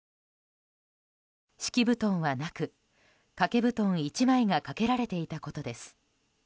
敷き布団はなく、掛け布団１枚がかけられていたことです。